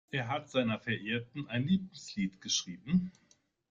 Er hat seiner Verehrten ein Liebeslied geschrieben.